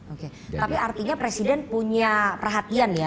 oke tapi artinya presiden punya perhatian ya